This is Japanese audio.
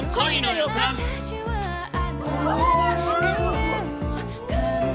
すごい。